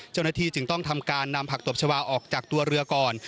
เจ้าหน้าที่จึงต้องทำการนำผักตบชาวาออกจากตัวเรือก่อน